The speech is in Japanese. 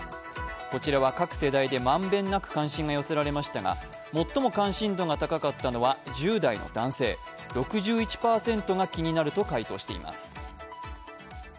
こちら各世代で満遍なく関心が寄せられましたが最も関心度が高かったのは１０代の男性、６１％が気になると回答しています。